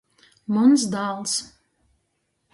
Muns dāls!